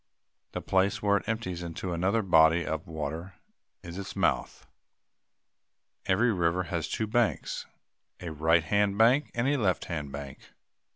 The place where it empties into another body of water is its mouth. Every river has two banks a right hand bank and a left hand bank.